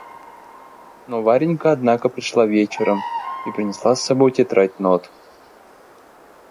Но Варенька однако пришла вечером и принесла с собой тетрадь нот.